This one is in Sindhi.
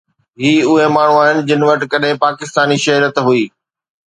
هي اهي ماڻهو آهن جن وٽ ڪڏهن پاڪستاني شهريت هئي